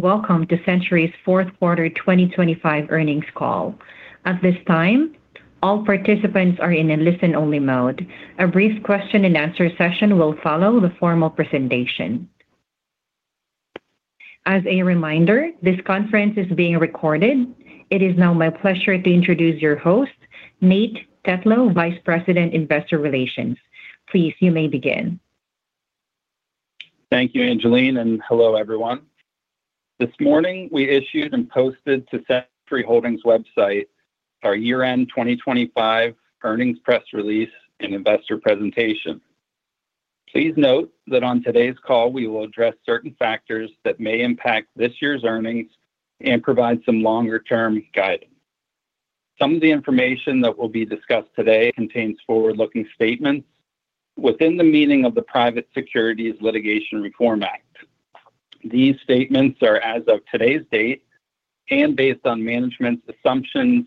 Welcome to Centuri's Fourth Quarter 2025 Earnings Call. At this time, all participants are in a listen-only mode. A brief question-and-answer session will follow the formal presentation. As a reminder, this conference is being recorded. It is now my pleasure to introduce your host, Nate Tetlow, Vice President, Investor Relations. Please, you may begin. Thank you, Angeline. Hello, everyone. This morning, we issued and posted to Centuri Holdings website our year-end 2025 earnings press release and investor presentation. Please note that on today's call, we will address certain factors that may impact this year's earnings and provide some longer-term guidance. Some of the information that will be discussed today contains forward-looking statements within the meaning of the Private Securities Litigation Reform Act. These statements are as of today's date and based on management's assumptions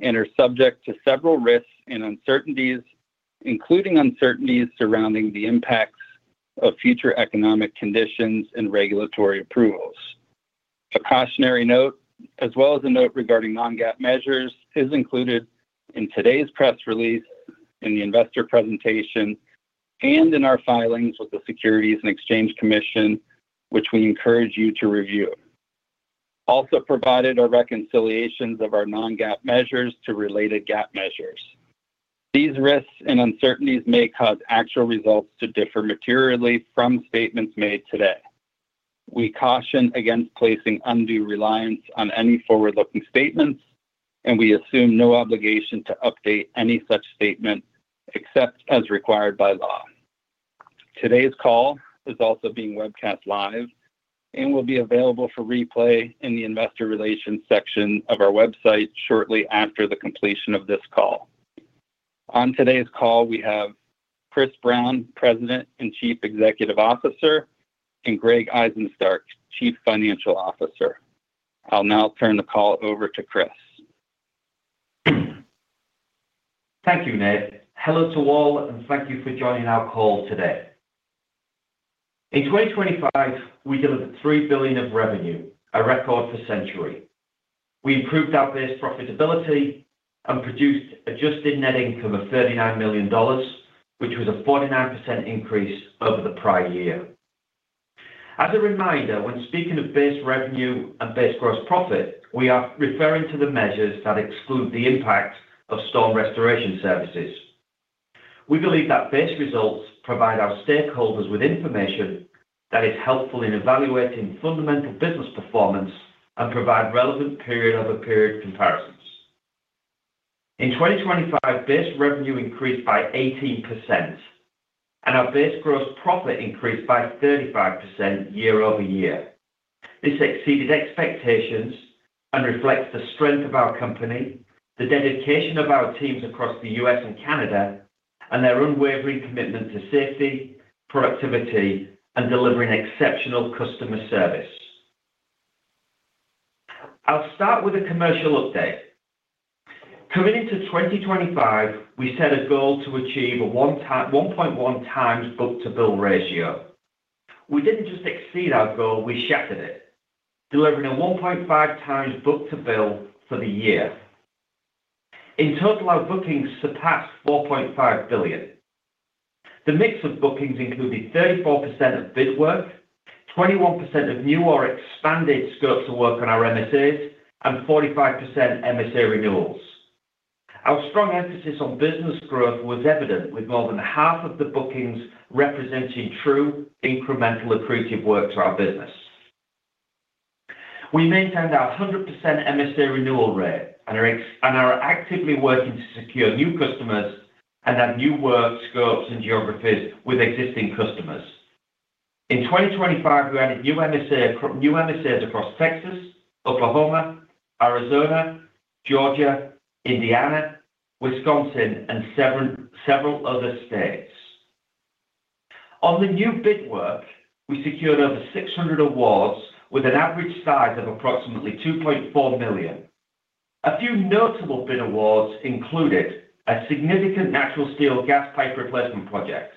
and are subject to several risks and uncertainties, including uncertainties surrounding the impacts of future economic conditions and regulatory approvals. A cautionary note, as well as a note regarding non-GAAP measures, is included in today's press release, in the investor presentation, and in our filings with the Securities and Exchange Commission, which we encourage you to review. Also provided are reconciliations of our non-GAAP measures to related GAAP measures. These risks and uncertainties may cause actual results to differ materially from statements made today. We caution against placing undue reliance on any forward-looking statements. We assume no obligation to update any such statement except as required by law. Today's call is also being webcast live and will be available for replay in the investor relations section of our website shortly after the completion of this call. On today's call, we have Chris Brown, President and Chief Executive Officer, and Greg Izenstark, Chief Financial Officer. I'll now turn the call over to Chris. Thank you, Nate. Hello to all, thank you for joining our call today. In 2025, we delivered $3 billion of revenue, a record for Centuri. We improved our base profitability and produced adjusted net income of $39 million, which was a 49% increase over the prior year. As a reminder, when speaking of base revenue and base gross profit, we are referring to the measures that exclude the impact of storm restoration services. We believe that base results provide our stakeholders with information that is helpful in evaluating fundamental business performance and provide relevant period-over-period comparisons. In 2025, base revenue increased by 18%, and our base gross profit increased by 35% year-over-year. This exceeded expectations and reflects the strength of our company, the dedication of our teams across the U.S. and Canada, and their unwavering commitment to safety, productivity, and delivering exceptional customer service. I'll start with a commercial update. Coming into 2025, we set a goal to achieve a 1.1x book-to-bill ratio. We didn't just exceed our goal, we shattered it, delivering a 1.5x book-to-bill for the year. In total, our bookings surpassed $4.5 billion. The mix of bookings included 34% of bid work, 21% of new or expanded scopes of work on our MSAs, and 45% MSA renewals. Our strong emphasis on business growth was evident, with more than half of the bookings representing true incremental accretive work to our business. We maintained our 100% MSA renewal rate and are actively working to secure new customers and add new work scopes and geographies with existing customers. In 2025, we added new MSAs across Texas, Oklahoma, Arizona, Georgia, Indiana, Wisconsin, and several other states. On the new bid work, we secured over 600 awards, with an average size of approximately $2.4 million. A few notable bid awards included a significant natural steel gas pipe replacement project,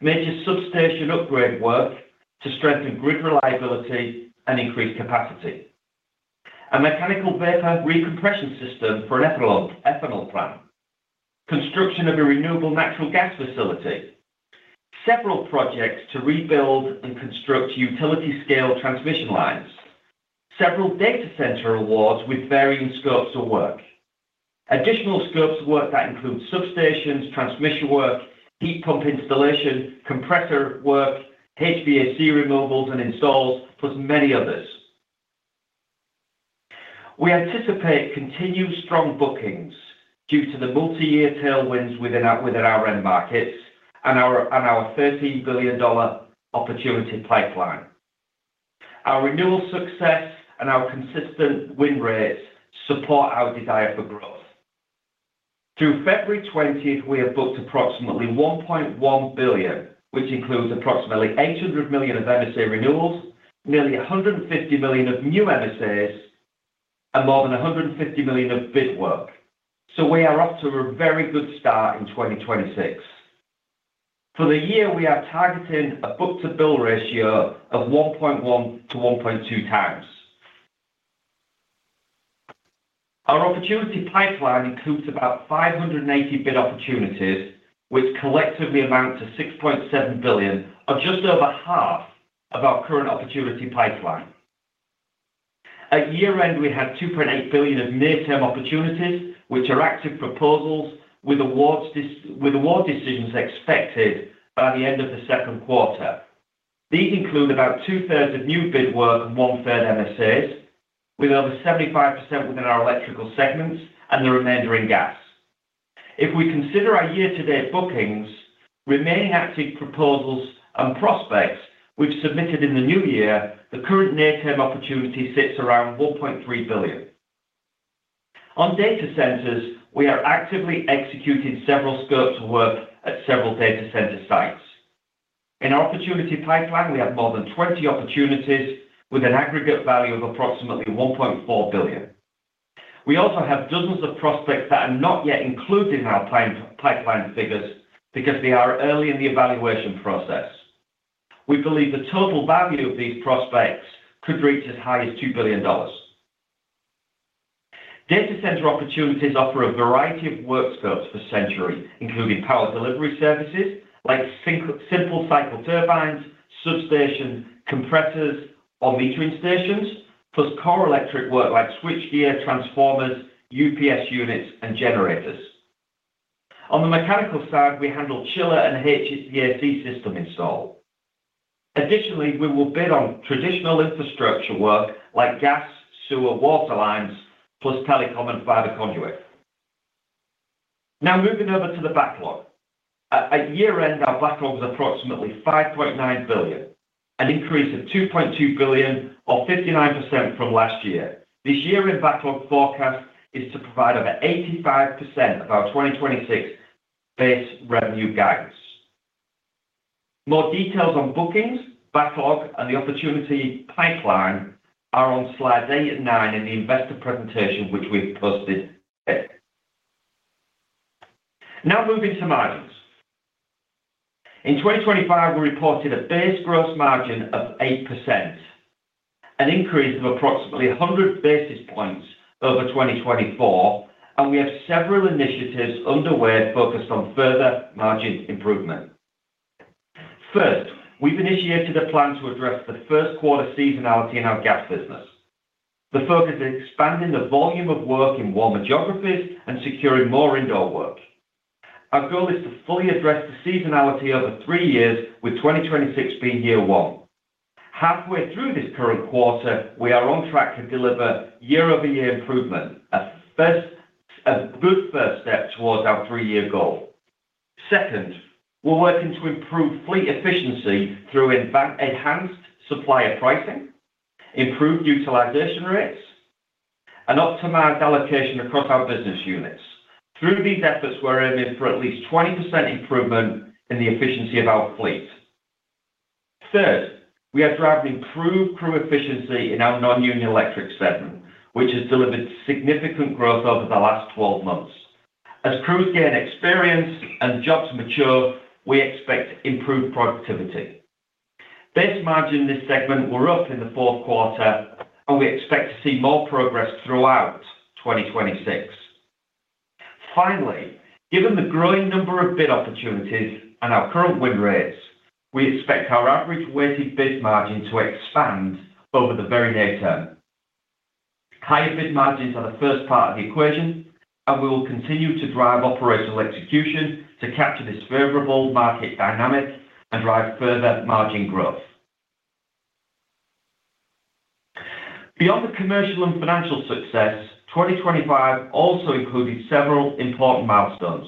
major substation upgrade work to strengthen grid reliability and increase capacity, a mechanical vapor recompression system for an ethanol plant, construction of a renewable natural gas facility, several projects to rebuild and construct utility-scale transmission lines, several data center awards with varying scopes of work. Additional scopes of work that include substations, transmission work, heat pump installation, compressor work, HVAC removals and installs, plus many others. We anticipate continued strong bookings due to the multi-year tailwinds within our end markets and our $13 billion opportunity pipeline. Our renewal success and our consistent win rates support our desire for growth. Through February 20th, we have booked approximately $1.1 billion, which includes approximately $800 million of MSA renewals, nearly $150 million of new MSAs, and more than $150 million of bid work. We are off to a very good start in 2026. For the year, we are targeting a book-to-bill ratio of 1.1x-1.2x. Our opportunity pipeline includes about 590 bid opportunities, which collectively amount to $6.7 billion, or just over half of our current opportunity pipeline. At year-end, we had $2.8 billion of near-term opportunities, which are active proposals with award decisions expected by the end of the second quarter. These include about two-thirds of new bid work and one-third MSAs, with over 75% within our electrical segments and the remainder in gas. If we consider our year-to-date bookings, remaining active proposals and prospects we've submitted in the new year, the current near-term opportunity sits around $1.3 billion. On data centers, we are actively executing several scopes of work at several data center sites. In our opportunity pipeline, we have more than 20 opportunities with an aggregate value of approximately $1.4 billion. We also have dozens of prospects that are not yet included in our pipeline figures because they are early in the evaluation process. We believe the total value of these prospects could reach as high as $2 billion. Data center opportunities offer a variety of work scopes for Centuri, including power delivery services, like simple cycle turbines, substation, compressors, or metering stations, plus core electric work like switchgear, transformers, UPS units, and generators. On the mechanical side, we handle chiller and HVAC system install. Additionally, we will bid on traditional infrastructure work like gas, sewer, water lines, plus telecom and fiber conduit. Moving over to the backlog. At year end, our backlog was approximately $5.9 billion, an increase of $2.2 billion or 59% from last year. This year-end backlog forecast is to provide over 85% of our 2026 base revenue guidance. More details on bookings, backlog, and the opportunity pipeline are on slides eight and nine in the investor presentation, which we've posted today. Now moving to margins. In 2025, we reported a base gross margin of 8%, an increase of approximately 100 basis points over 2024, and we have several initiatives underway focused on further margin improvement. First, we've initiated a plan to address the first quarter seasonality in our gas business. The focus is expanding the volume of work in warmer geographies and securing more indoor work. Our goal is to fully address the seasonality over three years, with 2026 being year one. Halfway through this current quarter, we are on track to deliver year-over-year improvement, a good first step towards our three-year goal. Second, we're working to improve fleet efficiency through enhanced supplier pricing, improved utilization rates, and optimized allocation across our business units. Through these efforts, we're aiming for at least 20% improvement in the efficiency of our fleet. Third, we are driving improved crew efficiency in our Non-Union Electric segment, which has delivered significant growth over the last 12 months. As crews gain experience and jobs mature, we expect improved productivity. Base margin in this segment were up in the fourth quarter, and we expect to see more progress throughout 2026. Finally, given the growing number of bid opportunities and our current win rates, we expect our average weighted bid margin to expand over the very near term. Higher bid margins are the first part of the equation, and we will continue to drive operational execution to capture this favorable market dynamic and drive further margin growth. Beyond the commercial and financial success, 2025 also included several important milestones.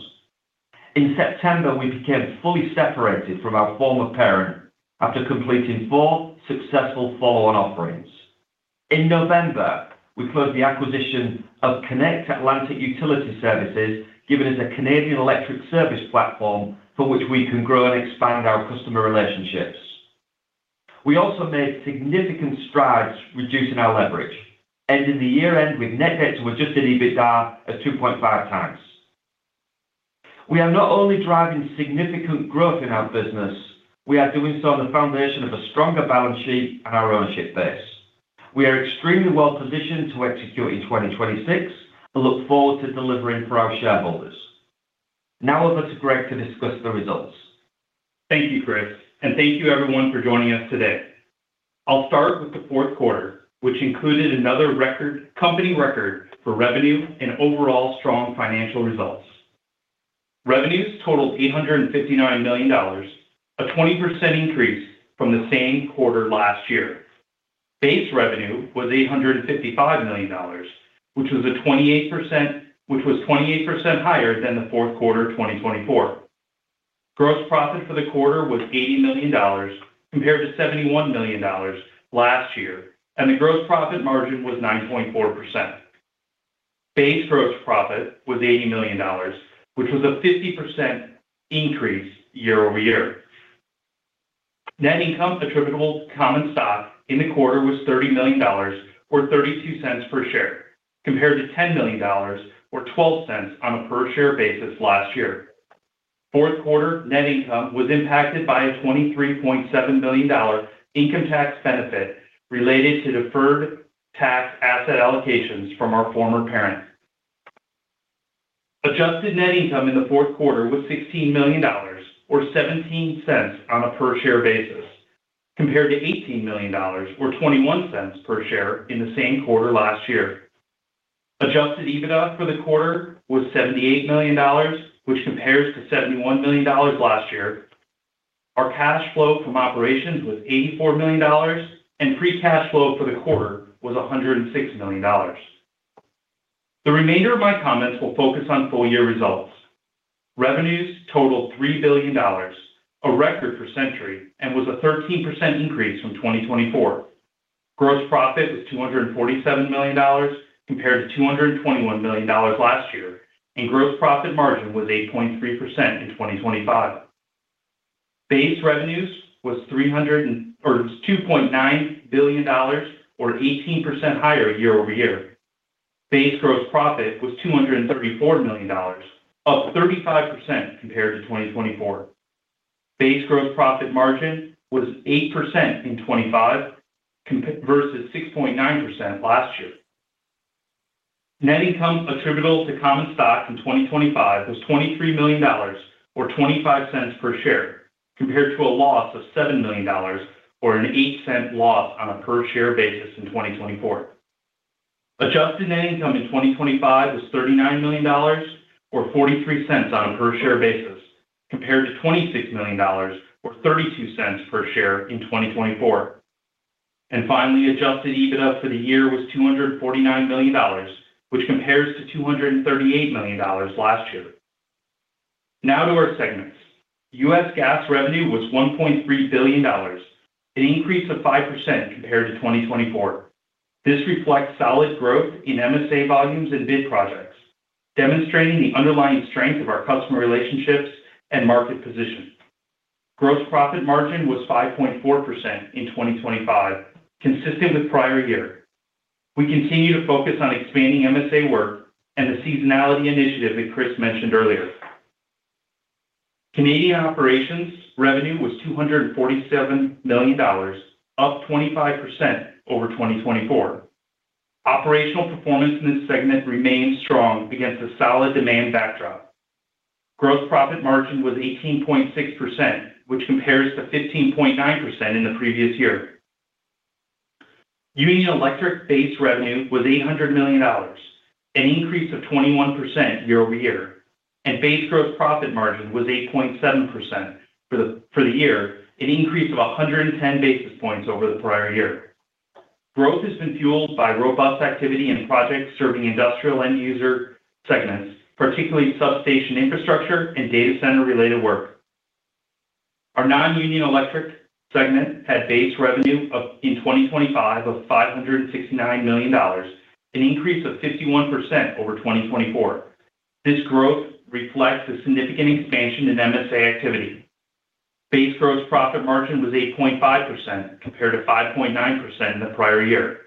In September, we became fully separated from our former parent after completing four successful follow-on offerings. In November, we closed the acquisition of Connect Atlantic Utility Services, giving us a Canadian electric service platform for which we can grow and expand our customer relationships. We also made significant strides reducing our leverage, ending the year end with net debt to adjusted EBITDA at 2.5x. We are not only driving significant growth in our business, we are doing so on the foundation of a stronger balance sheet and our ownership base. We are extremely well positioned to execute in 2026 and look forward to delivering for our shareholders. Now over to Greg to discuss the results. Thank you, Chris, and thank you everyone for joining us today. I'll start with the fourth quarter, which included another company record for revenue and overall strong financial results. Revenues totaled $859 million, a 20% increase from the same quarter last year. Base revenue was $855 million, which was 28% higher than the fourth quarter of 2024. Gross profit for the quarter was $80 million, compared to $71 million last year, and the gross profit margin was 9.4%. Base gross profit was $80 million, which was a 50% increase year-over-year. Net income attributable to common stock in the quarter was $30 million, or $0.32 per share, compared to $10 million or $0.12 on a per-share basis last year. Fourth quarter net income was impacted by a $23.7 million income tax benefit related to deferred tax asset allocations from our former parent. Adjusted net income in the fourth quarter was $16 million, or $0.17 on a per-share basis, compared to $18 million or $0.21 per share in the same quarter last year. Adjusted EBITDA for the quarter was $78 million, which compares to $71 million last year. Our cash flow from operations was $84 million, and free cash flow for the quarter was $106 million. The remainder of my comments will focus on full-year results. Revenues totaled $3 billion, a record for Centuri, and was a 13% increase from 2024. Gross profit was $247 million, compared to $221 million last year. Gross profit margin was 8.3% in 2025. Base revenues was $2.9 billion, or 18% higher year-over-year. Base gross profit was $234 million, up 35% compared to 2024. Base gross profit margin was 8% in 2025, versus 6.9% last year. Net income attributable to common stock in 2025 was $23 million or $0.25 per share, compared to a loss of $7 million or an $0.08 loss on a per-share basis in 2024. Adjusted net income in 2025 was $39 million or $0.43 on a per-share basis, compared to $26 million or $0.32 per share in 2024. Finally, adjusted EBITDA for the year was $249 million, which compares to $238 million last year. Now to our segments. U.S. Gas revenue was $1.3 billion, an increase of 5% compared to 2024. This reflects solid growth in MSA volumes and bid projects, demonstrating the underlying strength of our customer relationships and market position. Gross profit margin was 5.4% in 2025, consistent with prior year. We continue to focus on expanding MSA work and the seasonality initiative that Chris mentioned earlier. Canadian operations revenue was $247 million, up 25% over 2024. Operational performance in this segment remains strong against a solid demand backdrop. Gross profit margin was 18.6%, which compares to 15.9% in the previous year. Union Electric base revenue was $800 million, an increase of 21% year-over-year, and base gross profit margin was 8.7% for the year, an increase of 110 basis points over the prior year. Growth has been fueled by robust activity in projects serving industrial end user segments, particularly substation infrastructure and data center-related work. Our Non-Union Electric segment had base revenue in 2025 of $569 million, an increase of 51% over 2024. This growth reflects a significant expansion in MSA activity. Base gross profit margin was 8.5%, compared to 5.9% in the prior year.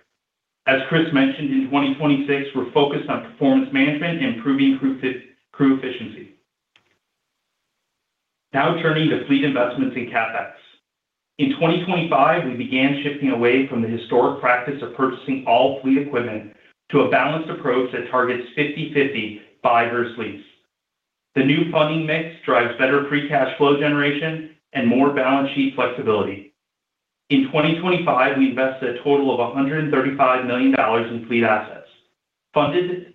As Chris mentioned, in 2026, we're focused on performance management and improving crew efficiency. Turning to fleet investments in CapEx. In 2025, we began shifting away from the historic practice of purchasing all fleet equipment to a balanced approach that targets 50/50 buy versus lease. The new funding mix drives better free cash flow generation and more balance sheet flexibility. In 2025, we invested a total of $135 million in fleet assets,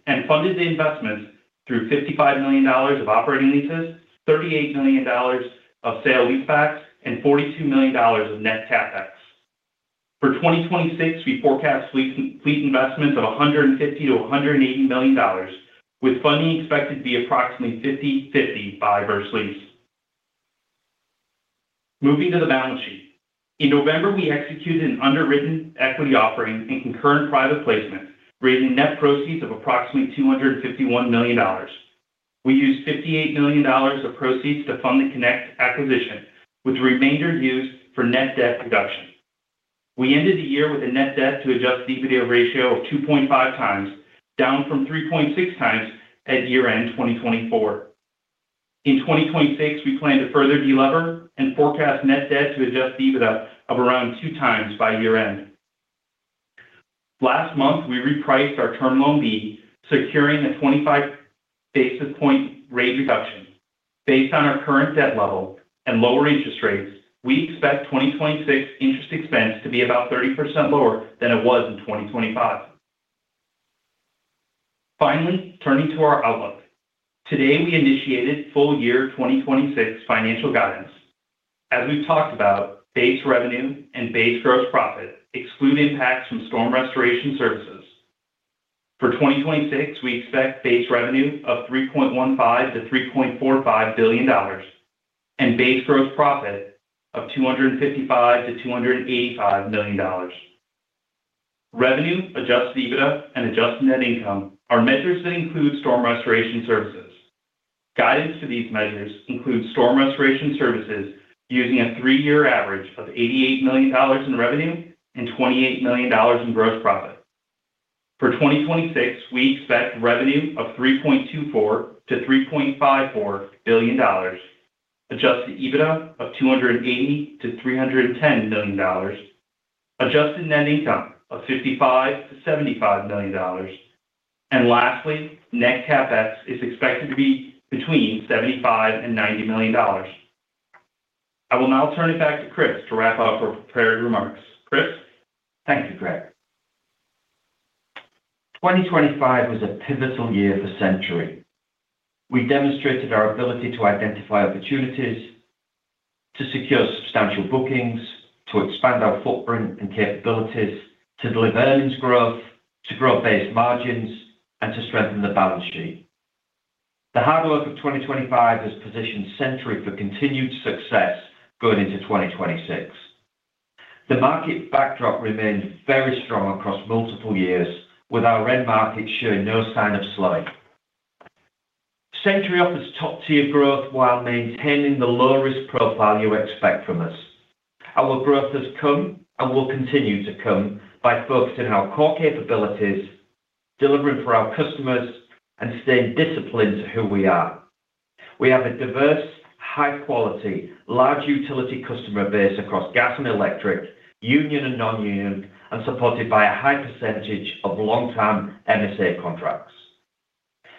and funded the investments through $55 million of operating leases, $38 million of sale leasebacks, and $42 million of net CapEx. For 2026, we forecast fleet investments of $150 million-$180 million, with funding expected to be approximately 50/50 buy versus lease. Moving to the balance sheet. In November, we executed an underwritten equity offering and concurrent private placement, raising net proceeds of approximately $251 million. We used $58 million of proceeds to fund the Connect acquisition, with the remainder used for net debt reduction. We ended the year with a net debt to adjusted EBITDA ratio of 2.5x, down from 3.6x at year-end 2024. In 2026, we plan to further delever and forecast net debt to adjusted EBITDA of around 2x by year-end. Last month, we repriced our Term Loan B, securing a 25 basis point rate reduction. Based on our current debt level and lower interest rates, we expect 2026 interest expense to be about 30% lower than it was in 2025. Finally, turning to our outlook. Today, we initiated full year 2026 financial guidance. As we've talked about, base revenue and base gross profit exclude impacts from storm restoration services. For 2026, we expect base revenue of $3.15 billion-$3.45 billion and base gross profit of $255 million-$285 million. Revenue, adjusted EBITDA, and adjusted net income are measures that include storm restoration services. Guidance to these measures includes storm restoration services using a three-year average of $88 million in revenue and $28 million in gross profit. For 2026, we expect revenue of $3.24 billion-$3.54 billion, adjusted EBITDA of $280 million-$310 million, adjusted net income of $55 million-$75 million, lastly, net CapEx is expected to be between $75 million and $90 million. I will now turn it back to Chris to wrap up our prepared remarks. Chris? Thank you, Greg. 2025 was a pivotal year for Centuri. We demonstrated our ability to identify opportunities, to secure substantial bookings, to expand our footprint and capabilities, to deliver earnings growth, to grow base margins, and to strengthen the balance sheet. The hard work of 2025 has positioned Centuri for continued success going into 2026. The market backdrop remains very strong across multiple years, with our end markets showing no sign of slowing. Centuri offers top-tier growth while maintaining the low-risk profile you expect from us. Our growth has come and will continue to come by focusing on our core capabilities, delivering for our customers, and staying disciplined to who we are. We have a diverse, high quality, large utility customer base across gas and electric, union and Non-union, and supported by a high percentage of long-term MSA contracts.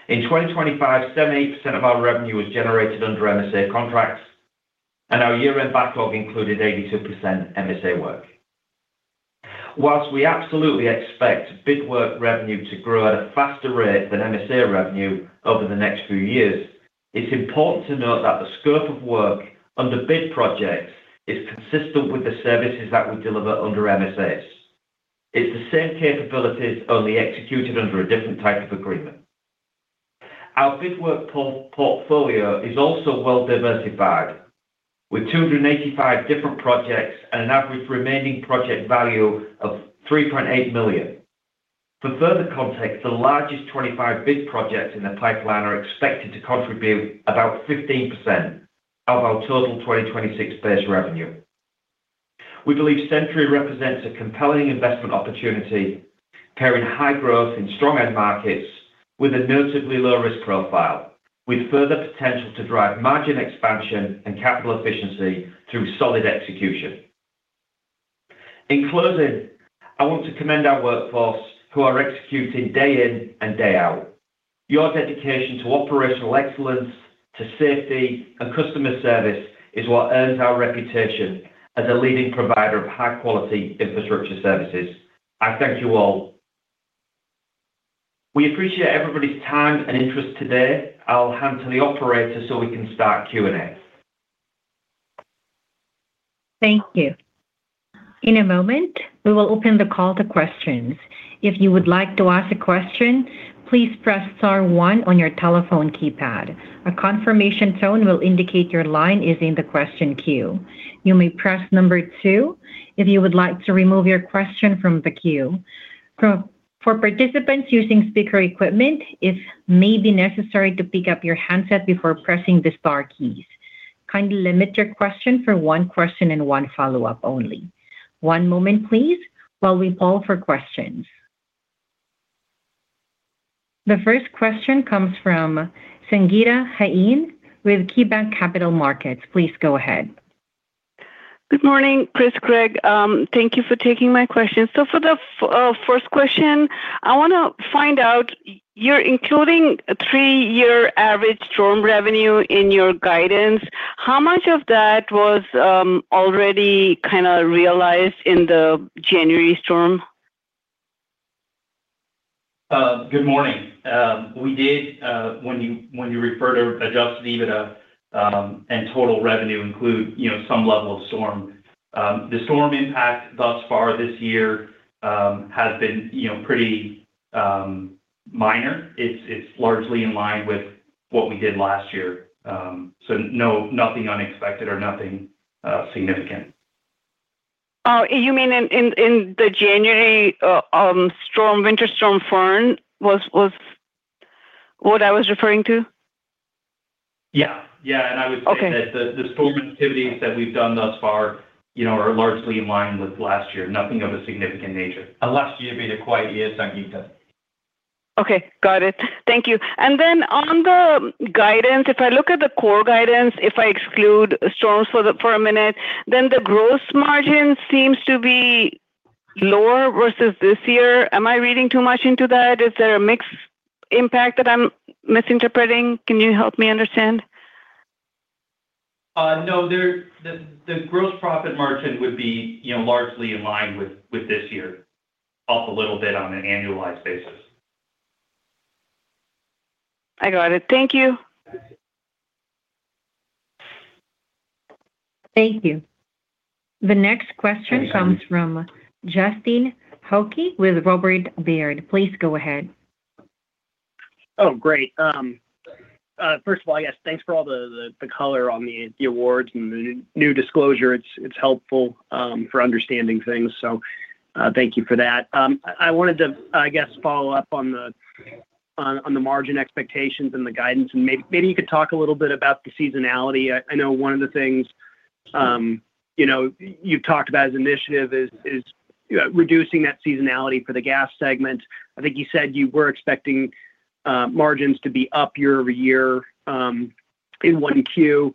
In 2025, 70% of our revenue was generated under MSA contracts, and our year-end backlog included 82% MSA work. Whilst we absolutely expect bid work revenue to grow at a faster rate than MSA revenue over the next few years, it's important to note that the scope of work on the bid projects is consistent with the services that we deliver under MSAs. It's the same capabilities, only executed under a different type of agreement. Our bid work portfolio is also well diversified, with 285 different projects and an average remaining project value of $3.8 million. For further context, the largest 25 bid projects in the pipeline are expected to contribute about 15% of our total 2026 base revenue. We believe Centuri represents a compelling investment opportunity, carrying high growth in strong end markets with a notably low risk profile, with further potential to drive margin expansion and capital efficiency through solid execution. In closing, I want to commend our workforce who are executing day in and day out. Your dedication to operational excellence, to safety, and customer service is what earns our reputation as a leading provider of high-quality infrastructure services. I thank you all. We appreciate everybody's time and interest today. I'll hand to the operator so we can start Q&A. Thank you. In a moment, we will open the call to questions. If you would like to ask a question, please press star one on your telephone keypad. A confirmation tone will indicate your line is in the question queue. You may press number two if you would like to remove your question from the queue. For participants using speaker equipment, it may be necessary to pick up your handset before pressing the star keys. Kindly limit your question for one question and one follow-up only. One moment, please, while we poll for questions. The first question comes from Sangita Jain with KeyBanc Capital Markets. Please go ahead. Good morning, Chris, Greg. Thank you for taking my question. For the first question, I wanna find out, you're including a three-year average storm revenue in your guidance. How much of that was, already kinda realized in the January storm? Good morning. We did, when you, when you refer to adjusted EBITDA, and total revenue include, you know, some level of storm. The storm impact thus far this year, has been, you know, pretty minor. It's largely in line with what we did last year. No, nothing unexpected or nothing significant. Oh, you mean in the January storm, Winter Storm Fern was what I was referring to? Yeah. Yeah. Okay That the storm activities that we've done thus far, you know, are largely in line with last year. Nothing of a significant nature. Last year been a quiet year, Sangita. Okay, got it. Thank you. Then on the guidance, if I look at the core guidance, if I exclude storms for a minute, then the gross margin seems to be lower versus this year. Am I reading too much into that? Is there a mix impact that I'm misinterpreting? Can you help me understand? No, the gross profit margin would be, you know, largely in line with this year. Up a little bit on an annualized basis. I got it. Thank you. Thank you. The next question comes from Justin Hauke with Robert W. Baird. Please go ahead. Oh, great. First of all, I guess thanks for all the color on the awards and the new disclosure. It's helpful for understanding things, so thank you for that. I wanted to, I guess, follow up on the margin expectations and the guidance, and maybe you could talk a little bit about the seasonality. I know one of the things, you know, you've talked about as initiative is, you know, reducing that seasonality for the gas segment. I think you said you were expecting margins to be up year-over-year in O1.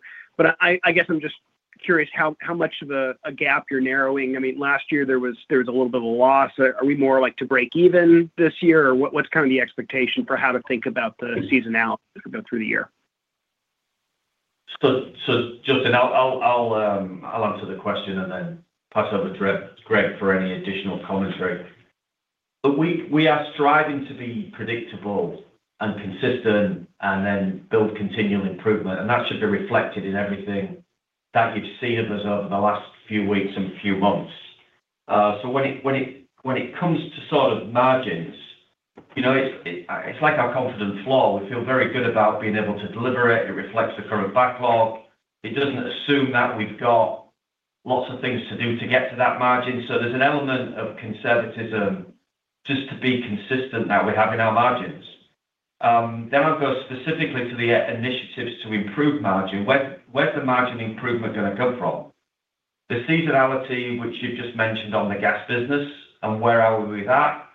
I guess I'm just curious how much of a gap you're narrowing. I mean, last year there was a little bit of a loss. Are we more like to break even this year, or what's kind of the expectation for how to think about the seasonality as we go through the year? Justin, I'll answer the question and then pass over to Greg for any additional commentary. Look, we are striving to be predictable and consistent and then build continual improvement, and that should be reflected in everything that you've seen of us over the last few weeks and few months. When it comes to sort of margins, you know, it's like our confidence flow. We feel very good about being able to deliver it. It reflects the current backlog. It doesn't assume that we've got lots of things to do to get to that margin. There's an element of conservatism just to be consistent that we have in our margins. I'll go specifically to the initiatives to improve margin. Where's the margin improvement gonna come from? The seasonality, which you've just mentioned on the gas business and where are we with that?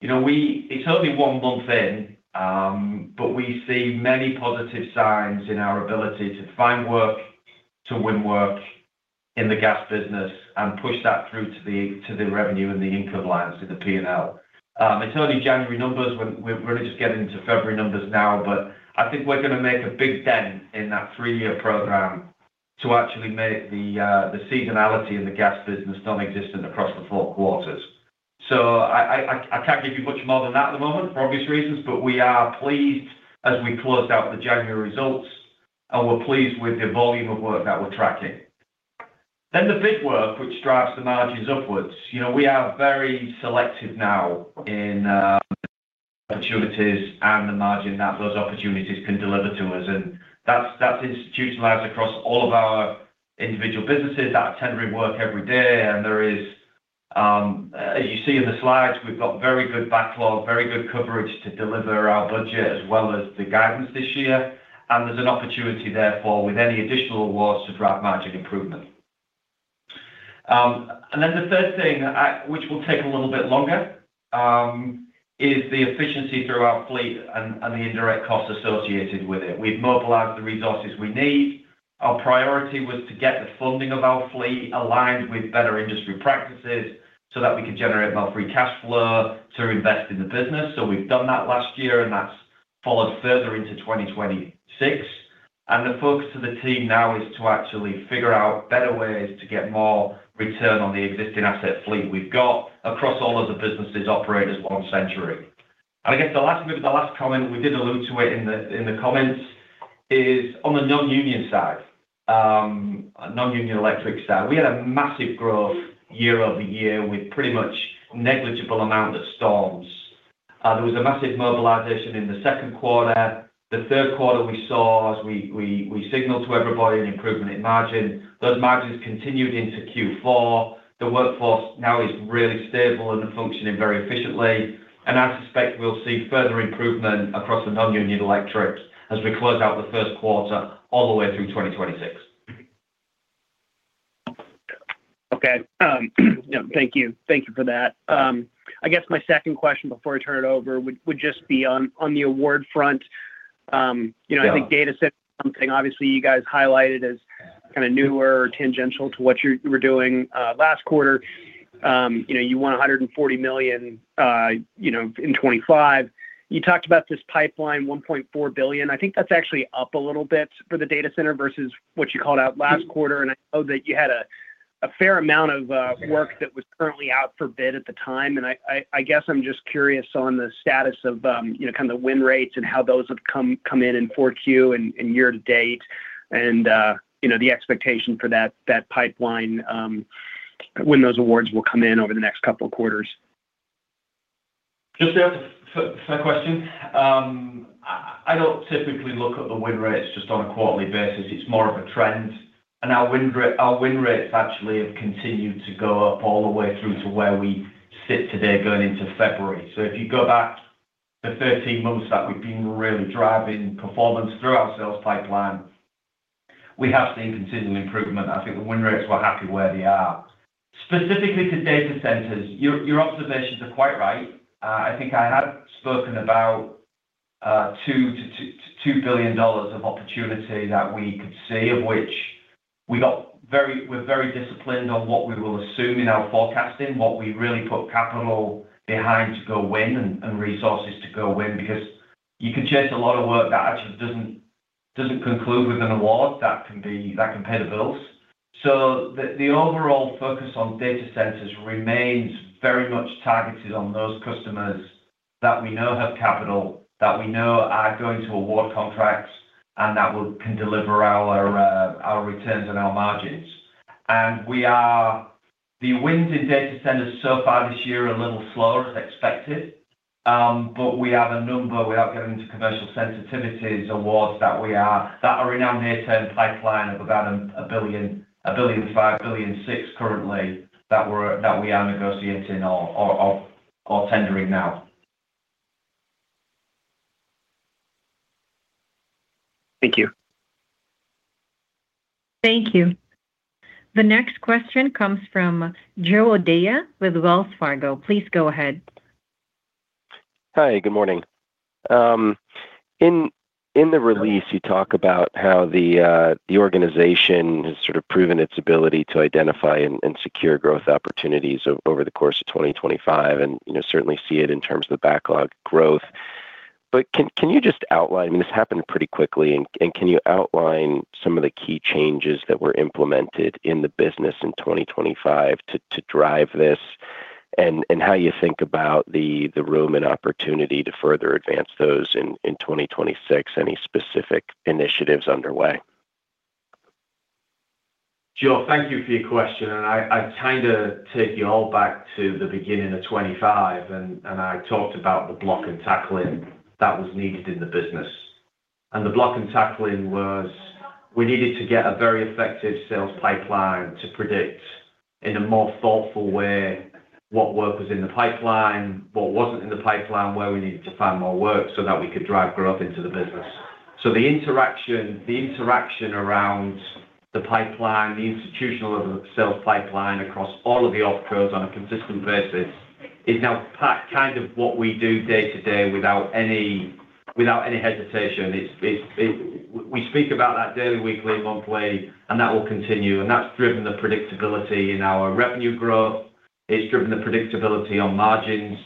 You know, it's only one month in, but we see many positive signs in our ability to find work, to win work in the gas business and push that through to the, to the revenue and the income lines, to the P&L. It's only January numbers. We're, we're really just getting into February numbers now, but I think we're gonna make a big dent in that three-year program to actually make the seasonality in the gas business nonexistent across the four quarters. I can't give you much more than that at the moment for obvious reasons, but we are pleased as we closed out the January results, and we're pleased with the volume of work that we're tracking. The big work, which drives the margins upwards, you know, we are very selective now in opportunities and the margin that those opportunities can deliver to us, and that's institutionalized across all of our individual businesses that are tendering work every day. There is, as you see in the slides, we've got very good backlog, very good coverage to deliver our budget as well as the guidance this year. There's an opportunity, therefore, with any additional awards to drive margin improvement. The third thing, which will take a little bit longer, is the efficiency through our fleet and the indirect costs associated with it. We've mobilized the resources we need. Our priority was to get the funding of our fleet aligned with better industry practices so that we could generate more free cash flow to invest in the business. We've done that last year, and that's followed further into 2026. The focus of the team now is to actually figure out better ways to get more return on the existing asset fleet we've got across all of the businesses operators on Centuri. I guess the last bit, the last comment, we did allude to it in the comments, is on the Non-Union Electric side. We had a massive growth year-over-year with pretty much negligible amount of storms. There was a massive mobilization in the second quarter. The third quarter, we saw, as we signaled to everybody, an improvement in margin. Those margins continued into Q4. The workforce now is really stable and functioning very efficiently, and I suspect we'll see further improvement across the Non-Union Electric as we close out the first quarter all the way through 2026. Okay. Thank you. Thank you for that. I guess my second question before I turn it over, would just be on the award front. you know. Yeah I think data center, something obviously you guys highlighted as kind of newer or tangential to what you were doing, last quarter. You know, you won $140 million, you know, in 2025. You talked about this pipeline, $1.4 billion. I think that's actually up a little bit for the data center versus what you called out last quarter. I know that you had a fair amount of. Yeah Work that was currently out for bid at the time. I guess I'm just curious on the status of, you know, kind of the win rates and how those have come in Q4 and year-to-date, and you know, the expectation for that pipeline, when those awards will come in over the next couple of quarters. Just fair question. I don't typically look at the win rates just on a quarterly basis. It's more of a trend. Our win rates actually have continued to go up all the way through to where we sit today going into February. If you go back to 13 months, that we've been really driving performance through our sales pipeline, we have seen continual improvement. I think the win rates, we're happy where they are. Specifically to data centers, your observations are quite right. I think I had spoken about $2 billion-$2 billion of opportunity that we could see, of which we're very disciplined on what we will assume in our forecasting, what we really put capital behind to go win and resources to go win, because you can chase a lot of work that actually doesn't conclude with an award that can pay the bills. The overall focus on data centers remains very much targeted on those customers that we know have capital, that we know are going to award contracts, and that can deliver our returns and our margins. The wins in data centers so far this year are a little slower than expected, but we have a number, without getting into commercial sensitivities, awards that are in our near-term pipeline of about $1 billion-$1.6 billion currently, that we are negotiating or tendering now. Thank you. Thank you. The next question comes from Joe O'Dea with Wells Fargo. Please go ahead. Hi, good morning. In the release, you talk about how the organization has sort of proven its ability to identify and secure growth opportunities over the course of 2025, and, you know, certainly see it in terms of the backlog growth. Can you just outline, I mean, this happened pretty quickly, and can you outline some of the key changes that were implemented in the business in 2025 to drive this, and how you think about the room and opportunity to further advance those in 2026? Any specific initiatives underway? Joe, thank you for your question, and I kind of take you all back to the beginning of 2025, and I talked about the block and tackling that was needed in the business. The block and tackling was we needed to get a very effective sales pipeline to predict, in a more thoughtful way, what work was in the pipeline, what wasn't in the pipeline, where we needed to find more work so that we could drive growth into the business. The interaction around the pipeline, the institutional of the sales pipeline across all of the offers on a consistent basis, is now part, kind of what we do day to day without any hesitation. We speak about that daily, weekly, monthly, and that will continue, and that's driven the predictability in our revenue growth, it's driven the predictability on margins,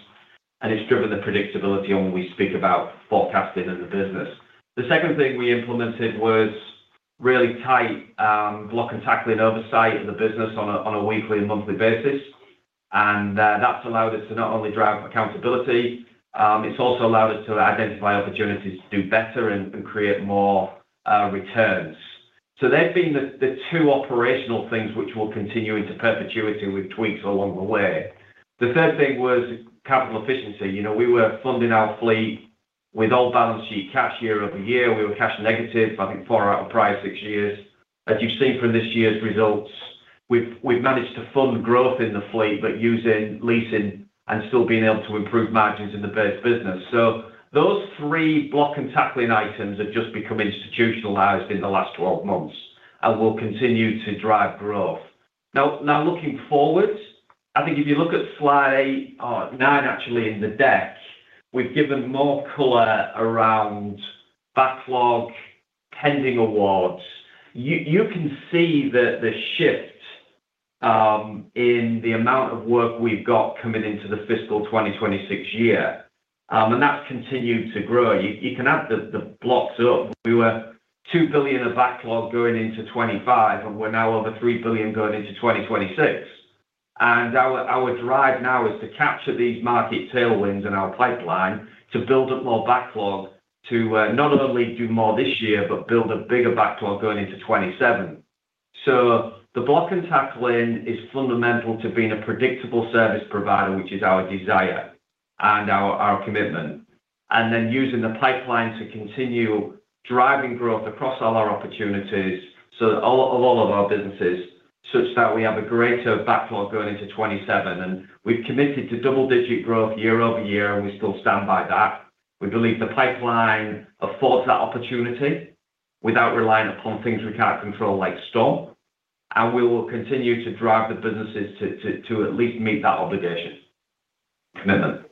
and it's driven the predictability on when we speak about forecasting as a business. The second thing we implemented was really tight, block and tackling oversight in the business on a weekly and monthly basis, and that's allowed us to not only drive accountability, it's also allowed us to identify opportunities to do better and create more returns. They've been the two operational things which will continue into perpetuity with tweaks along the way. The third thing was capital efficiency. You know, we were funding our fleet with all balance sheet cash year over year. We were cash negative, I think, four out of prior six years. As you've seen from this year's results, we've managed to fund growth in the fleet, but using leasing and still being able to improve margins in the base business. Those three block and tackling items have just become institutionalized in the last 12 months and will continue to drive growth. Looking forward, I think if you look at slide nine, actually, in the deck, we've given more color around backlog pending awards. You, you can see the shift in the amount of work we've got coming into the fiscal 2026 year, and that's continued to grow. You, you can add the blocks up. We were $2 billion of backlog going into 2025, and we're now over $3 billion going into 2026. Our drive now is to capture these market tailwinds in our pipeline, to build up more backlog, to not only do more this year, but build a bigger backlog going into 2027. The block and tackling is fundamental to being a predictable service provider, which is our desire and our commitment, and then using the pipeline to continue driving growth across all of our businesses, such that we have a greater backlog going into 2027. We've committed to double-digit growth year-over-year, and we still stand by that. We believe the pipeline affords that opportunity without relying upon things we can't control, like storm, and we will continue to drive the businesses to at least meet that obligation commitment.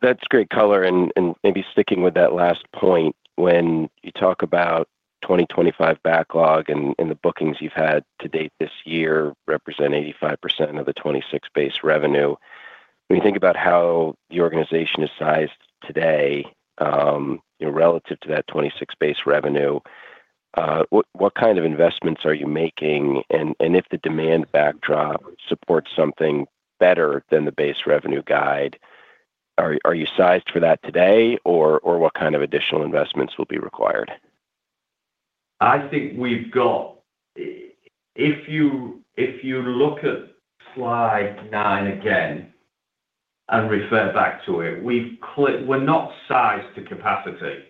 That's great color, and maybe sticking with that last point, when you talk about 2025 backlog and the bookings you've had to date this year represent 85% of the 2026 base revenue. When you think about how the organization is sized today, you know, relative to that 2026 base revenue, what kind of investments are you making? If the demand backdrop supports something better than the base revenue guide, are you sized for that today, or what kind of additional investments will be required? I think we've got. If you look at slide nine again and refer back to it, we're not sized to capacity.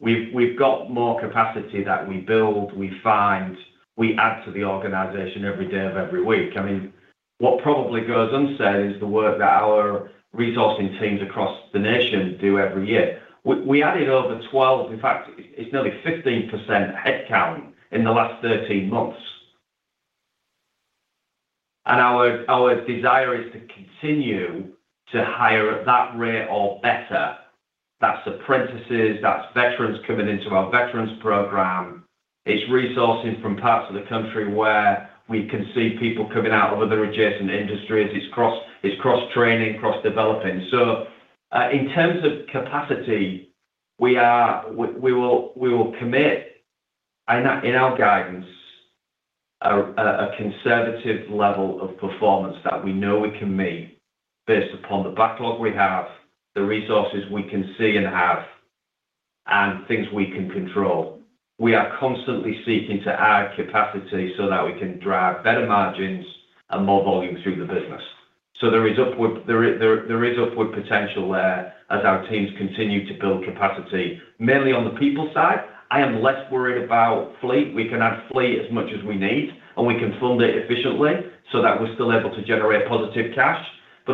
We've got more capacity that we build, we find, we add to the organization every day of every week. I mean, what probably goes unsaid is the work that our resourcing teams across the nation do every year. We added over 12%, in fact, it's nearly 15% headcount in the last 13 months. Our desire is to continue to hire at that rate or better. That's apprentices, that's veterans coming into our veterans program, it's resourcing from parts of the country where we can see people coming out of other adjacent industries, it's cross-training, cross-developing. In terms of capacity, we will commit in our guidance, a conservative level of performance that we know we can meet based upon the backlog we have, the resources we can see and have. Things we can control. We are constantly seeking to add capacity so that we can drive better margins and more volume through the business. There is upward potential there as our teams continue to build capacity, mainly on the people side. I am less worried about fleet. We can add fleet as much as we need, and we can fund it efficiently so that we're still able to generate positive cash.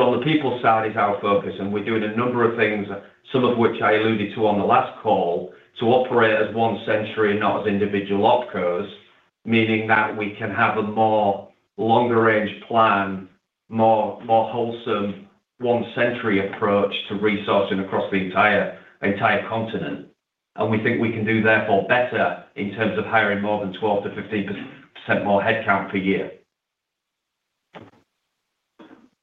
On the people side is our focus, and we're doing a number of things, some of which I alluded to on the last call, to operate as one Centuri and not as individual OpCos, meaning that we can have a more longer-range plan, more wholesome one Centuri approach to resourcing across the entire continent. We think we can do therefore better in terms of hiring more than 12%-15% more headcount per year.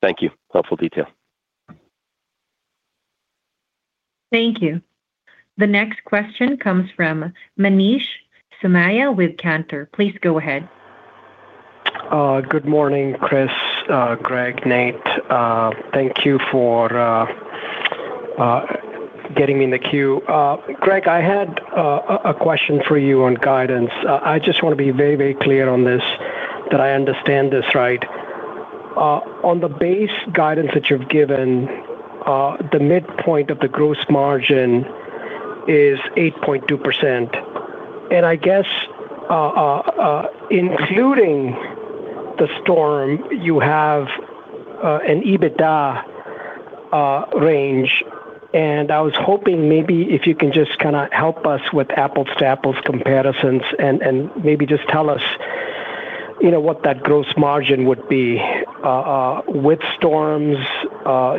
Thank you. Helpful detail. Thank you. The next question comes from Manish Somaiya with Cantor. Please go ahead. Good morning, Chris, Greg, Nate. Thank you for getting me in the queue. Greg, I had a question for you on guidance. I just want to be very, very clear on this, that I understand this right. On the base guidance that you've given, the midpoint of the gross margin is 8.2%. I guess, including the storm, you have an EBITDA range, and I was hoping maybe if you can just kind of help us with apples to apples comparisons and maybe just tell us, you know, what that gross margin would be with storms,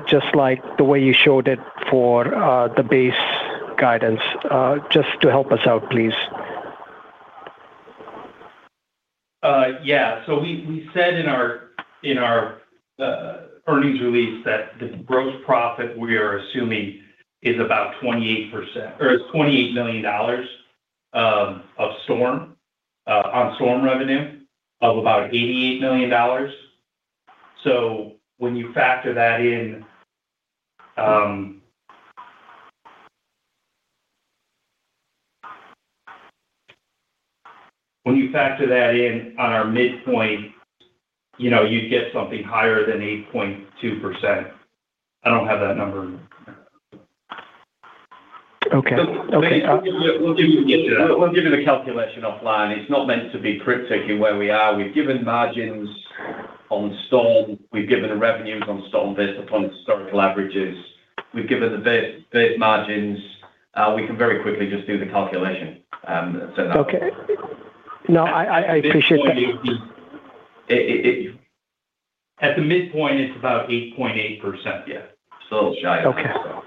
just like the way you showed it for the base guidance. Just to help us out, please. Yeah. We said in our earnings release that the gross profit we are assuming is about 28% or is $28 million of storm on storm revenue of about $88 million. When you factor that in. When you factor that in on our midpoint, you know, you'd get something higher than 8.2%. I don't have that number. Okay. Okay. We'll give you the calculation offline. It's not meant to be cryptic in where we are. We've given margins on storm. We've given the revenues on storm based upon historical averages. We've given the bit margins. We can very quickly just do the calculation and send that. Okay. No, I appreciate that. At the midpoint, it at the midpoint, it's about 8.8%. Yeah. Shy.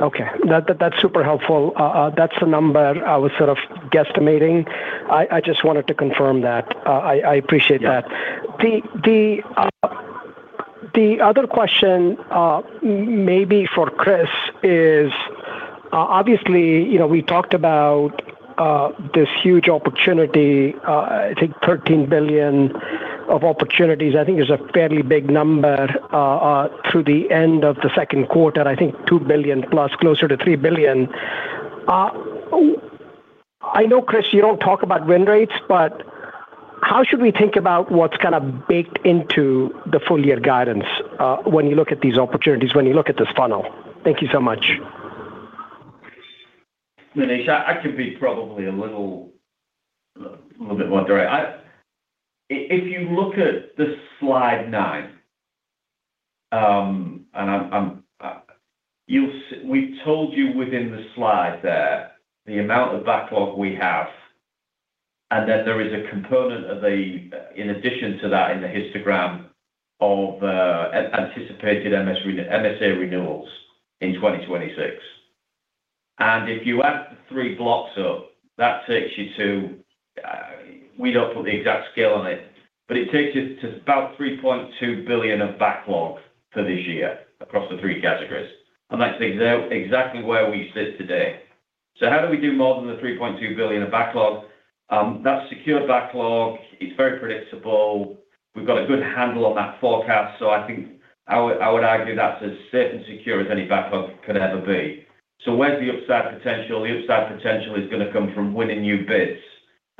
Okay. Okay, that's super helpful. That's the number I was sort of guesstimating. I just wanted to confirm that. I appreciate that. Yeah. The other question, maybe for Chris is, obviously, you know, we talked about this huge opportunity, I think $13 billion of opportunities, I think is a fairly big number, through the end of the second quarter, I think $2 billion+, closer to $3 billion. I know, Chris, you don't talk about win rates, but how should we think about what's kind of baked into the full year guidance, when you look at these opportunities, when you look at this funnel? Thank you so much. Manish, I could be probably a little bit more direct. If you look at the slide nine, you'll see we told you within the slide there, the amount of backlog we have, and then there is a component of the, in addition to that, in the histogram of anticipated MSA renewals in 2026. If you add the three blocks up, that takes you to, we don't put the exact scale on it, but it takes you to about $3.2 billion of backlogs for this year across the three categories. That's exactly where we sit today. How do we do more than the $3.2 billion of backlog? That's secure backlog. It's very predictable. We've got a good handle on that forecast, so I think I would argue that's as safe and secure as any backlog could ever be. Where's the upside potential? The upside potential is gonna come from winning new bids,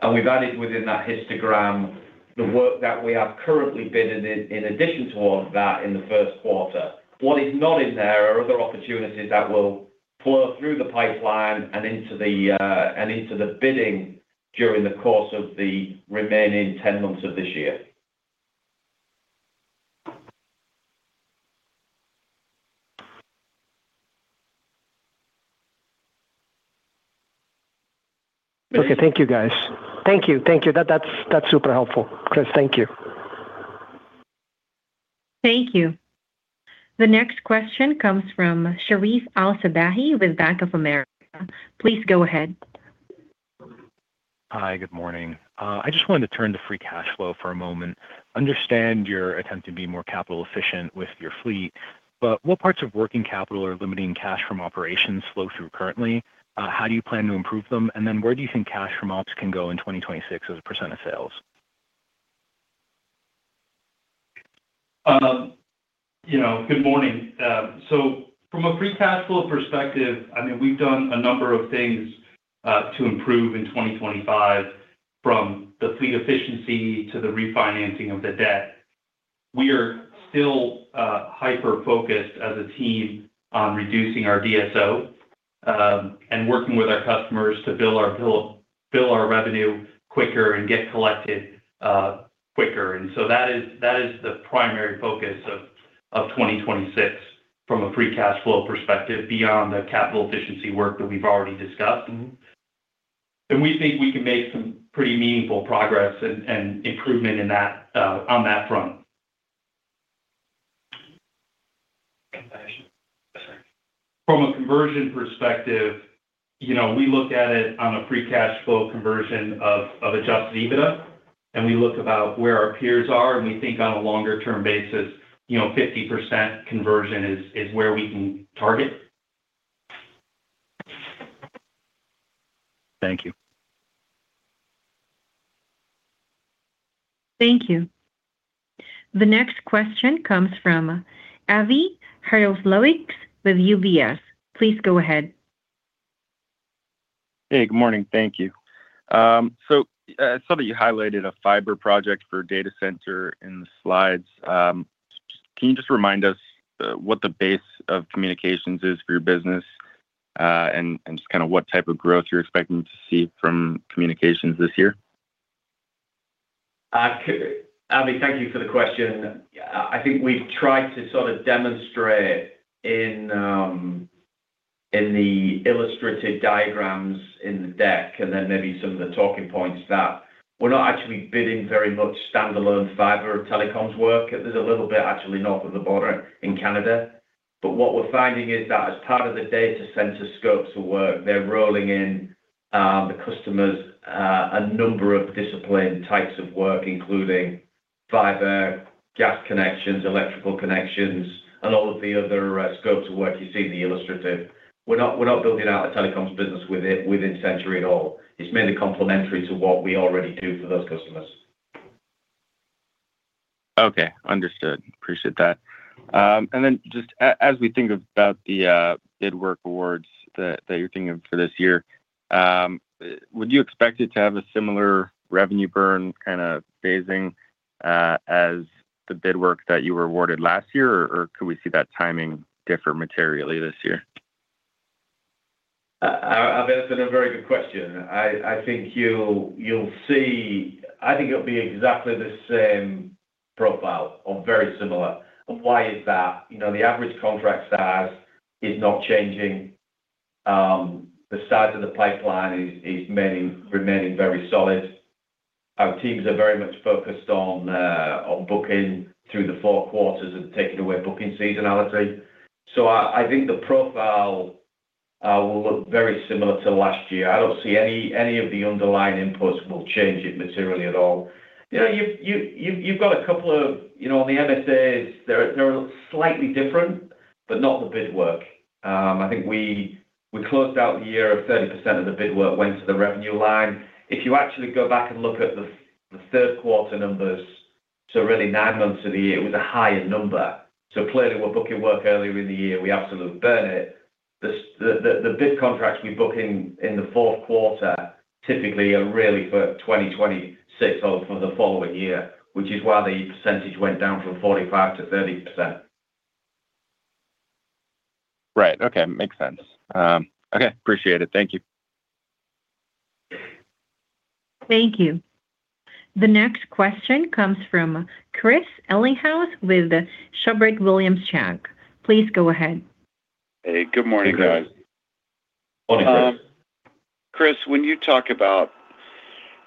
and we've added within that histogram the work that we have currently bidded in addition to all of that in the first quarter. What is not in there are other opportunities that will flow through the pipeline and into the bidding during the course of the remaining 10 months of this year. Okay. Thank you, guys. Thank you. That's super helpful. Chris, thank you. Thank you. The next question comes from Sherif El-Sabbahy with Bank of America. Please go ahead. Hi, good morning. I just wanted to turn to free cash flow for a moment. Understand your attempt to be more capital efficient with your fleet, but what parts of working capital are limiting cash from operations flow through currently? How do you plan to improve them? Where do you think cash from ops can go in 2026 as a percent of sales? you know, good morning. From a free cash flow perspective, I mean, we've done a number of things to improve in 2025, from the fleet efficiency to the refinancing of the debt. We are still hyper-focused as a team on reducing our DSO, and working with our customers to bill our revenue quicker and get collected quicker. That is the primary focus of 2026 from a free cash flow perspective, beyond the capital efficiency work that we've already discussed. Mm-hmm. We think we can make some pretty meaningful progress and improvement in that, on that front. Conversion. Sorry. From a conversion perspective, you know, we look at it on a free cash flow conversion of adjusted EBITDA, and we look about where our peers are, and we think on a longer-term basis, you know, 50% conversion is where we can target. Thank you. Thank you. The next question comes from Avi Jaroslawicz with UBS. Please go ahead. Hey, good morning. Thank you. I saw that you highlighted a fiber project for data center in the slides. Can you just remind us what the base of communications is for your business, and just kind of what type of growth you're expecting to see from communications this year? Avi, thank you for the question. I think we've tried to sort of demonstrate in the illustrative diagrams in the deck, and then maybe some of the talking points, that we're not actually bidding very much standalone fiber or telecoms work. There's a little bit, actually, north of the border in Canada. What we're finding is that as part of the data center scopes of work, they're rolling in the customers a number of discipline types of work, including fiber, gas connections, electrical connections, and all of the other scopes of work you see in the illustrative. We're not, we're not building out a telecoms business with it, within Centuri at all. It's mainly complementary to what we already do for those customers. Okay, understood. Appreciate that. Just as we think about the bid work awards that you're thinking of for this year, would you expect it to have a similar revenue burn kind of phasing, as the bid work that you were awarded last year, or could we see that timing differ materially this year? That's been a very good question. I think it'll be exactly the same profile or very similar. Why is that? You know, the average contract size is not changing. The size of the pipeline is remaining very solid. Our teams are very much focused on booking through the four quarters and taking away booking seasonality. I think the profile will look very similar to last year. I don't see any of the underlying inputs will change it materially at all. You know, you've got a couple of, you know, on the MSAs, they're slightly different, but not the bid work. I think we closed out the year, 30% of the bid work went to the revenue line. Actually go back and look at the third quarter numbers, so really nine months of the year, it was a higher number. Clearly, we're booking work earlier in the year. We absolutely burn it. The bid contracts we book in the fourth quarter typically are really for 2026 or for the following year, which is why the percentage went down from 45%-30%. Right. Okay, makes sense. Okay, appreciate it. Thank you. Thank you. The next question comes from Chris Ellinghaus with the Siebert Williams Shank. Please go ahead. Hey, good morning, guys. Morning, Chris. Chris, when you talk about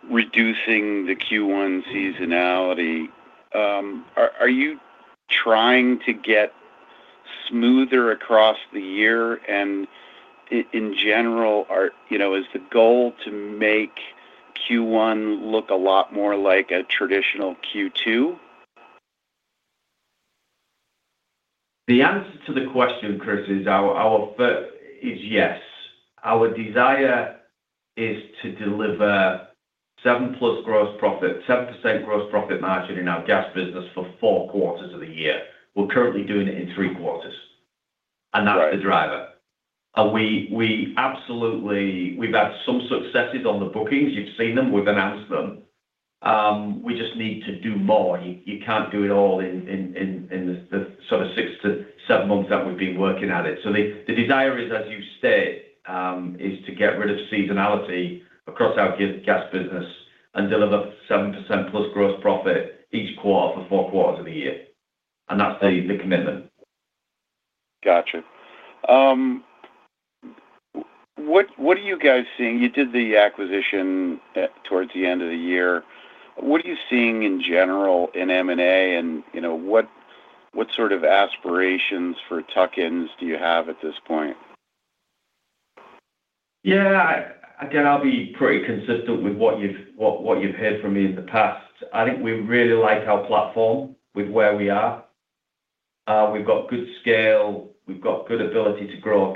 reducing the Q1 seasonality, are you trying to get smoother across the year? In general, you know, is the goal to make Q1 look a lot more like a traditional Q2? The answer to the question, Chris, is yes. Our desire is to deliver 7+ gross profit, 7% gross profit margin in our gas business for four quarters of the year. We're currently doing it in 3 quarters. Right That's the driver. We absolutely, we've had some successes on the bookings. You've seen them, we've announced them. We just need to do more. You can't do it all in the sort of six to seven months that we've been working at it. The desire is, as you stay, is to get rid of seasonality across our gas business and deliver 7%+ gross profit each quarter for four quarters of the year. That's the commitment. Gotcha. What are you guys seeing? You did the acquisition, towards the end of the year. What are you seeing in general in M&A, and, you know, what sort of aspirations for tuck-ins do you have at this point? Again, I'll be pretty consistent with what you've heard from me in the past. I think we really like our platform with where we are. We've got good scale, we've got good ability to grow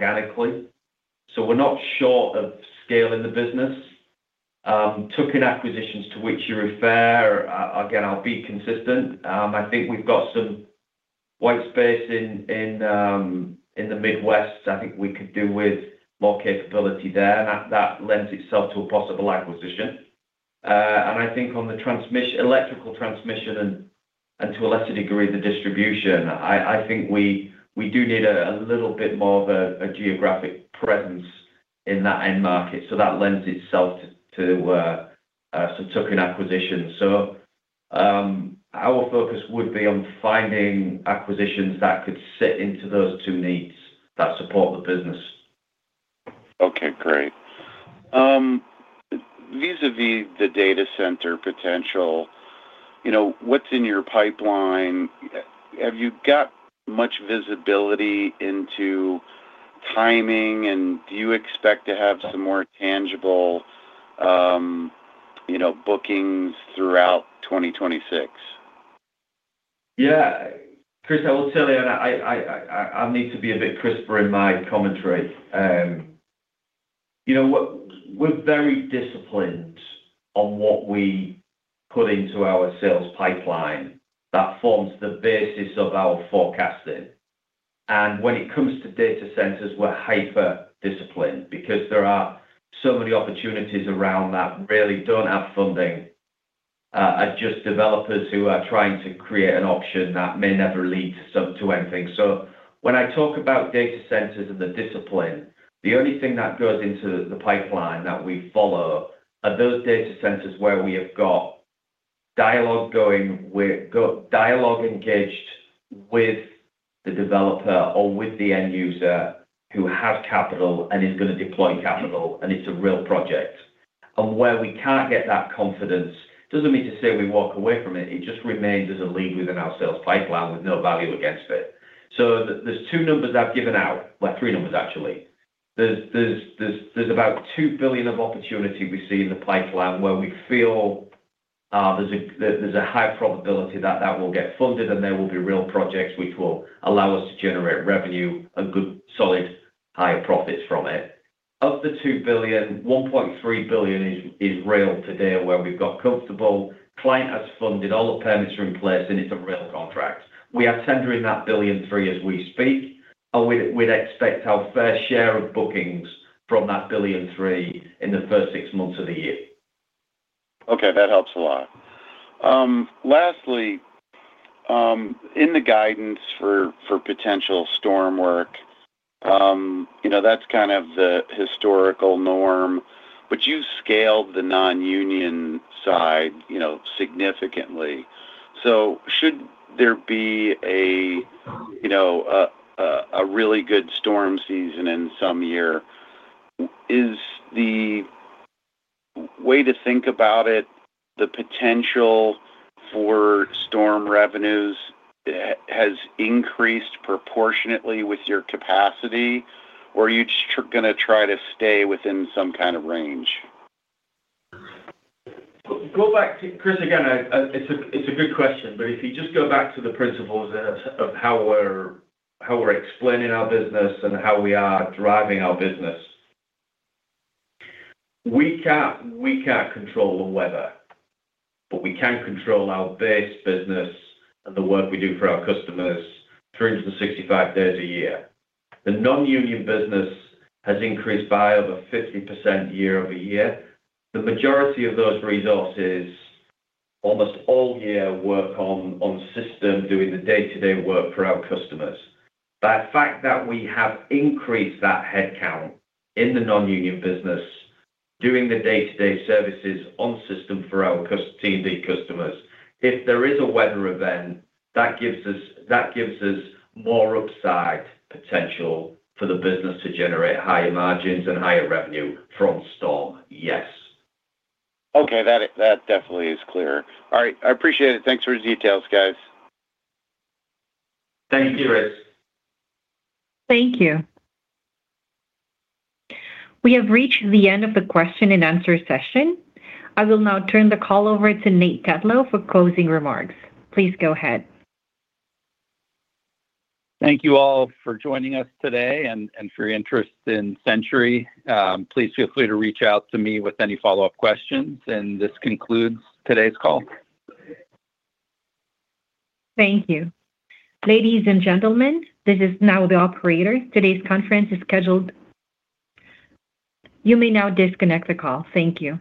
organically, so we're not short of scale in the business. Tuck-in acquisitions to which you refer, again, I'll be consistent. I think we've got some white space in the Midwest. I think we could do with more capability there, and that lends itself to a possible acquisition. I think on the electrical transmission and to a lesser degree, the distribution, I think we do need a little bit more of a geographic presence in that end market, so that lends itself to some tuck-in acquisitions. Our focus would be on finding acquisitions that could sit into those two needs that support the business. Okay, great. Vis-a-vis the data center potential, you know, what's in your pipeline? Have you got much visibility into timing, and do you expect to have some more tangible, you know, bookings throughout 2026? Yeah. Chris, I will tell you, I need to be a bit crisper in my commentary. You know what? We're very disciplined on what we put into our sales pipeline. That forms the basis of our forecasting. When it comes to data centers, we're hyper disciplined because there are so many opportunities around that really don't have funding, are just developers who are trying to create an option that may never lead to anything. When I talk about data centers and the discipline, the only thing that goes into the pipeline that we follow are those data centers where we have got dialogue going with dialogue engaged with the developer or with the end user who has capital and is gonna deploy capital, and it's a real project. Where we can't get that confidence, doesn't mean to say we walk away from it. It just remains as a lead within our sales pipeline with no value against it. There's two numbers I've given out, well, three numbers, actually. There's about $2 billion of opportunity we see in the pipeline, where we feel there's a high probability that will get funded, and there will be real projects which will allow us to generate revenue and good, solid, higher profits from it. Of the $2 billion, $1.3 billion is real today, where we've got comfortable. Client has funded, all the permits are in place, and it's a real contract. We are tendering that $1.3 billion as we speak. We'd expect our fair share of bookings from that $1.3 billion in the first six months of the year. That helps a lot. Lastly, in the guidance for potential storm work, you know, that's kind of the historical norm, but you've scaled the Non-union side, you know, significantly. Should there be a, you know, a really good storm season in some year, is the way to think about it, the potential for storm revenues has increased proportionately with your capacity, or are you just gonna try to stay within some kind of range? Chris, again, it's a, it's a good question, if you just go back to the principles of how we're, how we're explaining our business and how we are driving our business. We can't, we can't control the weather, we can control our base business and the work we do for our customers 365 days a year. The Non-union business has increased by over 50% year-over-year. The majority of those resources, almost all year, work on system, doing the day-to-day work for our customers. The fact that we have increased that headcount in the Non-union business, doing the day-to-day services on system for our T&D customers, if there is a weather event, that gives us, that gives us more upside potential for the business to generate higher margins and higher revenue from storm. Yes. Okay, that definitely is clear. All right, I appreciate it. Thanks for the details, guys. Thank you, Chris. Thank you. We have reached the end of the question and answer session. I will now turn the call over to Nate Tetlow for closing remarks. Please go ahead. Thank you all for joining us today and for your interest in Centuri. Please feel free to reach out to me with any follow-up questions. This concludes today's call. Thank you. Ladies and gentlemen, this is now the operator. Today's conference is scheduled. You may now disconnect the call. Thank you.